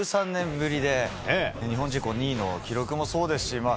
１３年ぶりで日本人２位の記録もそうですし。